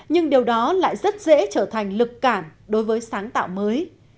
nhưng điều đó lại rất dễ trở thành lực cản đối với sáng tạo mới